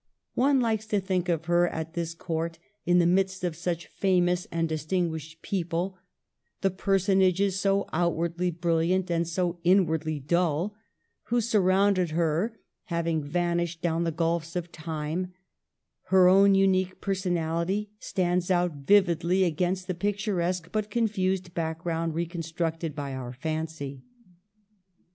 One likes to think of her at this court in the midst of such famous and distinguished people ; the personages so outwardly brilliant, so inwardly dull, who surrounded her having vanished down the gulfs of Time, her own unique personality stands out vividly against the picturesque but confused background reconstructed by our fancy.